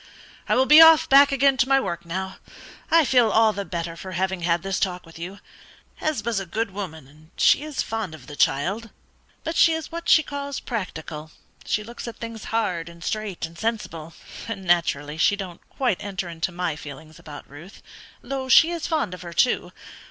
I will be off back again to my work now; I feel all the better for having had this talk with you. Hesba's a good woman, and she is fond of the child; but she is what she calls practical she looks at things hard, and straight, and sensible, and naturally she don't quite enter into my feelings about Ruth, though she is fond of her too.